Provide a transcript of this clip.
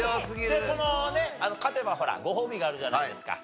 でこの勝てばほらご褒美があるじゃないですか。